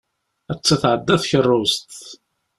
Atta tεedda-d tkeṛṛust.